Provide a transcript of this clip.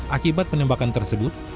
akibat penembakan tersebut